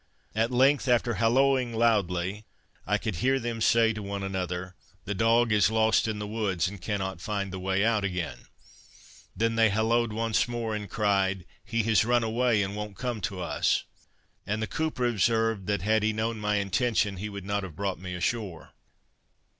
At length, after hallooing loudly, I could hear them say to one another, "The dog is lost in the woods, and cannot find the way out again;" then they hallooed once more, and cried "he has run away and won't come to us;" and the cooper observed, that, had he known my intention, he would not have brought me ashore.